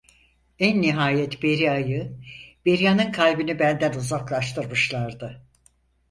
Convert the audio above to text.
En nihayet Beria’yı, Beria'nın kalbini benden uzaklaştırmışlardı.